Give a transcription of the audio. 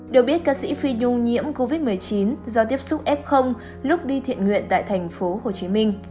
đều biết ca sĩ phi nhung nhiễm covid một mươi chín do tiếp xúc f lúc đi thiện nguyện tại tp hcm